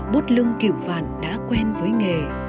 bút lưng kiểu vàn đã quen với nghề